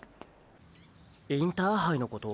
インターハイのこと？